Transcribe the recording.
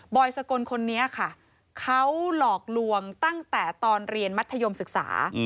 สกลคนนี้ค่ะเขาหลอกลวงตั้งแต่ตอนเรียนมัธยมศึกษา